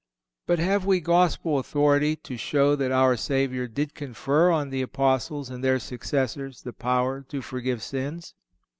But have we Gospel authority to show that our Savior did confer on the Apostles and their successors the power to forgive sins?